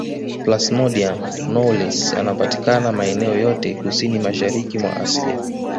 Plasmodium knowlesi anapatikana maeneo yote ya kusini mashariki mwa Asia